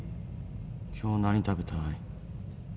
今日何食べたい？